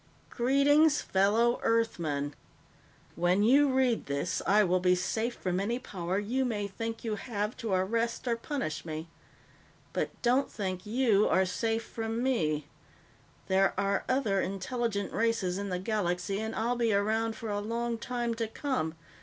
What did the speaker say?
"Greetings, fellow Earthmen: When you read this, I will be safe from any power you may think you have to arrest or punish me. But don't think you are safe from me. There are other intelligent races in the galaxy, and I'll be around for a long time to come.